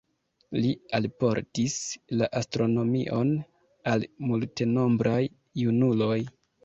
Li alportis la astronomion al multenombraj junuloj.